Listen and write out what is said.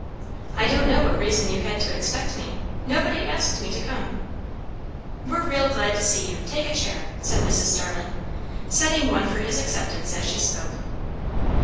"I don't know what reason you had to expect me! Nobody asked me to come." "We're real glad to see you. Take a chair," said Mrs. Starling, setting one for his acceptance as she spoke.